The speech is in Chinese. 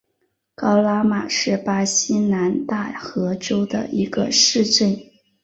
高拉马是巴西南大河州的一个市镇。